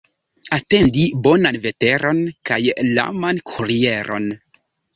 Atendi bonan veteron kaj laman kurieron.